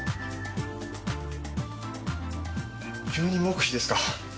急に黙秘ですか。